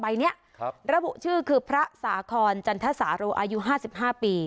ใบเนี้ยครับระบุชื่อคือพระสาคอนจันทรสาโรอายุห้าสิบห้าปี